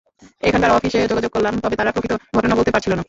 এখানকার অফিসে যোগাযোগ করলাম, তবে তারা প্রকৃত ঘটনা বলতে পারছিল না।